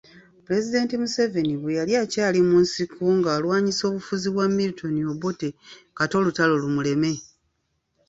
Pulezidenti Museveni bwe yali akyali mu nsiko ng'alwanyisa obufuzi bwa Milton Obote kata olutalo lumuleme.